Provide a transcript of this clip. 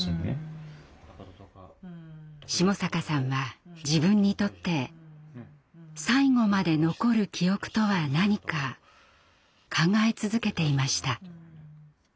下坂さんは自分にとって「最後まで残る記憶」とは何か考え続けていました。